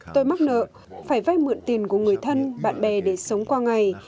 tôi mắc nợ phải vay mượn tiền của người thân bạn bè để sống qua ngày